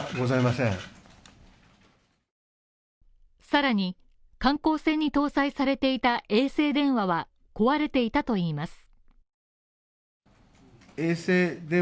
更に観光船に搭載されていた衛星電話は壊れていたといいます。